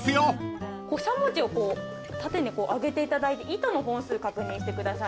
しゃもじをこう縦に上げていただいて糸の本数確認してください。